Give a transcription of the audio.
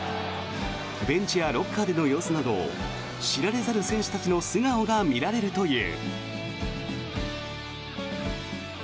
ベンチやロッカーでの様子など知られざる選手たちの素顔が見られるという。